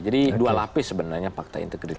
jadi dua lapis sebenarnya fakta integritas